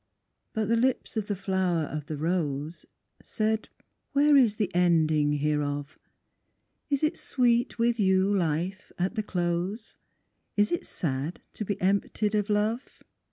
But the lips of the flower of the rose Said, "where is the ending hereof? Is it sweet with you, life, at the close? Is it sad to be emptied of love?"